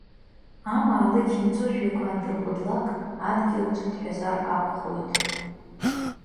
Амаалықь имҵәыжәҩақәа андырҟәыдлак, адгьылаҿ дҳәазар акәхоит.